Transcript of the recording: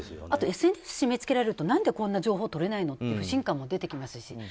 あとＳＮＳ締め付けられると何でこんな情報取れないの？って不信感も出てきますし。